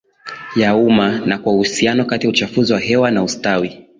ya umma na kwaUhusiano kati ya uchafuzi wa hewa na ustawi